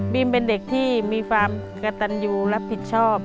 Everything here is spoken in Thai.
เป็นเด็กที่มีความกระตันยูรับผิดชอบ